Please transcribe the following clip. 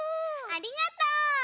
ありがとう！